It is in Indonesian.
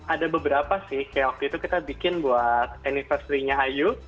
ada beberapa sih kayak waktu itu kita bikin buat anniversary nya ayu